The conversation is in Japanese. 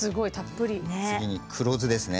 次に黒酢ですね。